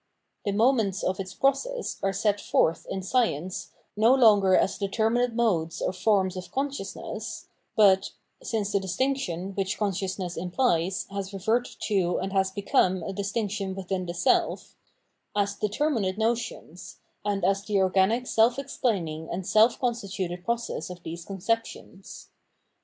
The moments of its process are set forth in Science no longer as determinate modes or forms of consciousness, but — since the distinction, which con sciousness implies, has reverted to and has become a distinction within the self — as determinate notions, and as the organic self explaining and self constituted process of these conceptions.